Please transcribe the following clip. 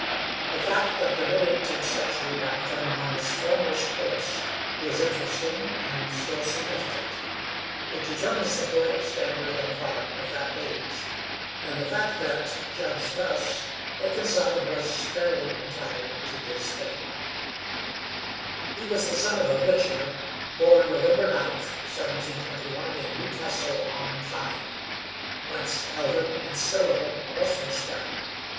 The fact that the mid eighteenth century ranked him among its foremost poets is interesting and still significant. It determines the poetic standard and product of that age; and the fact that, judged thus, Akenside was fairly entitled to his fame. [Illustration: Mark Akenside] He was the son of a butcher, born November 9th, 1721, in Newcastle on Tyne, whence Eldon and Stowell also sprang.